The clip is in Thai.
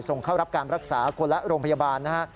เข้ารับการรักษาคนละโรงพยาบาลนะฮะ